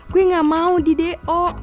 gue gak mau di do